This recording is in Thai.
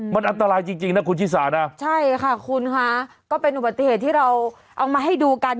มันอันตรายจริงนะคุณชิสานะใช่ค่ะคุณค่ะก็เป็นอุบัติเหตุที่เราเอามาให้ดูกัน